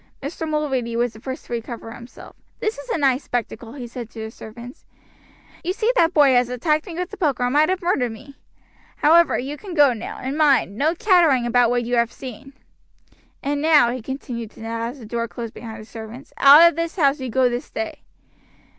Mr. Mulready was the first to recover himself. "This is a nice spectacle," he said to the servants. "You see that boy has attacked me with the poker and might have murdered me. However, you can go now, and mind, no chattering about what you have seen. "And now," he continued to Ned as the door closed behind the servants, "out of this house you go this day."